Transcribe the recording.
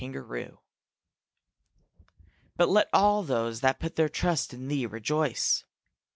NOVEMBER _But let all those that put their trust in thee rejoice.